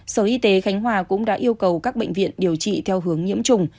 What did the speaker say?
sở y tế khánh hòa cũng đã yêu cầu các bệnh viện điều trị theo hướng nhiễm trùng